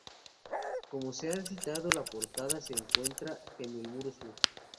Como se ha citado, la portada se encuentra en el muro sur.